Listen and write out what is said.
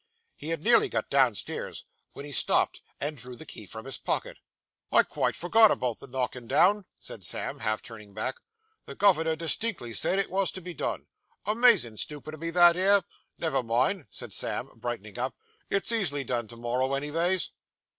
He had nearly got downstairs, when he stopped, and drew the key from his pocket. 'I quite forgot about the knockin' down,' said Sam, half turning back. 'The governor distinctly said it was to be done. Amazin' stupid o' me, that 'ere! Never mind,' said Sam, brightening up, 'it's easily done to morrow, anyvays.